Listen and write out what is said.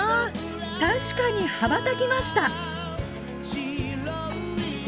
確かに羽ばたきました！